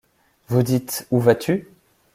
Vous dites: Où vas-tu?